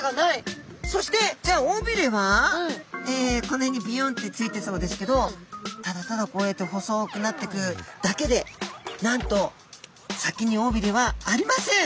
この辺にビヨンってついてそうですけどただただこうやって細くなっていくだけでなんと先におびれはありません。